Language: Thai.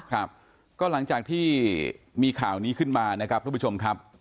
ครับก็หลังจากที่มีข่าวนี้ขึ้นมานะครับทุกผู้ชมครับ